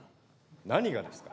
何がですか。